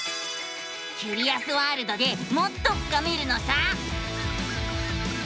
キュリアスワールドでもっと深めるのさ！